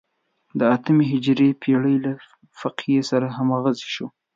د اتمې هجري پېړۍ له فقیه سره همغږي شو.